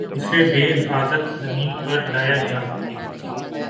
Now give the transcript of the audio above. اسے بحفاظت زمین پر لایا جاسکے